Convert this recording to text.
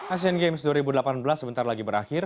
asian games dua ribu delapan belas sebentar lagi berakhir